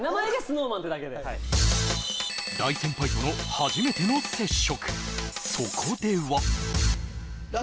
大先輩との初めての接触